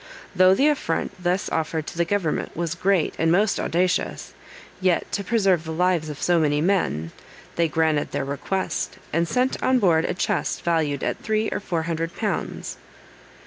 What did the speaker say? Though the affront thus offered to the Government was great and most audacious, yet, to preserve the lives of so many men, they granted their request, and sent on board a chest valued at three or four hundred pounds.